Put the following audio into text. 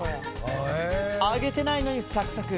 揚げてないのに、サクサク！